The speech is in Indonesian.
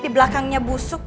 di belakangnya busuk